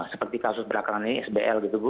seperti kasus belakangan ini sbl gitu bu